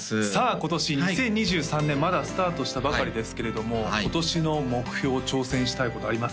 今年２０２３年まだスタートしたばかりですけれども今年の目標挑戦したいことあります？